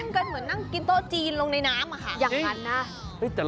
เค้านั่งเมื่อกินโต๊ะจีนลงในน้ำค่ะ